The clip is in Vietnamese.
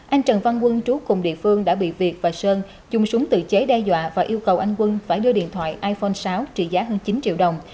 anh trần văn quân trú cùng địa phương đã bị việt và sơn dùng súng tự chế đe dọa và yêu cầu anh quân phải đưa điện thoại iphone sáu trị giá hơn chín triệu đồng